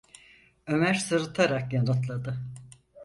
Ömer sırıtarak yanıtladı: